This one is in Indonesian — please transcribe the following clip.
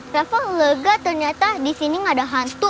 travel lega ternyata di sini gak ada hantu